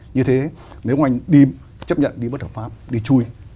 như thế nếu anh đi chấp nhận đi bất hợp pháp đi chui